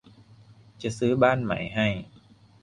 จะซื้อบ้านใหม่ให้